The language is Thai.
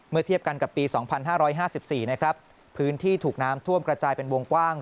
เมื่อเทียบกันกับปีสองพันห้าร้อยห้าสิบสี่นะครับพื้นที่ถูกน้ำท่วมกระจายเป็นวงกว้าง